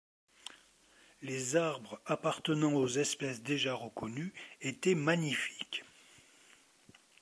Les arbres, appartenant aux espèces déjà reconnues, étaient magnifiques